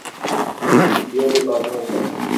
studioni pamoja